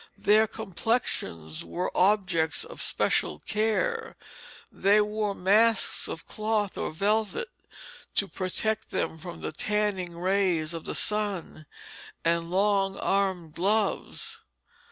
Their complexions were objects of special care; they wore masks of cloth or velvet to protect them from the tanning rays of the sun, and long armed gloves.